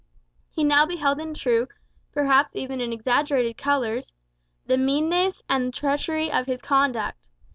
He now beheld in true, perhaps even in exaggerated colours, the meanness and the treachery of his conduct.